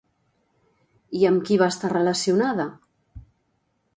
I amb qui va estar relacionada?